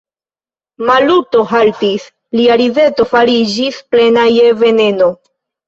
Maluto haltis, lia rideto fariĝis plena je veneno.